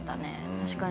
確かに。